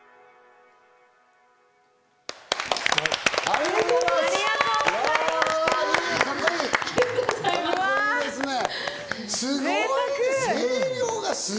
ありがとうございます！